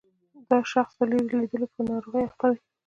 دا شخص د لیرې لیدلو په ناروغۍ اخته وي.